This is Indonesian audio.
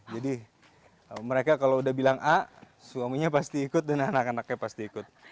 jadi mereka kalau udah bilang a suaminya pasti ikut dan anak anaknya pasti ikut